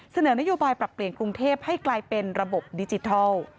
เสนอนโยบายปรับเปลี่ยนกรุงเทพให้กลายเป็นระบบดิจิทัล